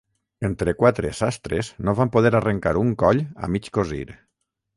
Entre quatre sastres no van poder arrencar un coll a mig cosir.